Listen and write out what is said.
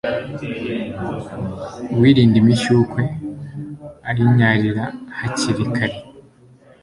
uwirinda imishyukwe ayinyarira hakiri kare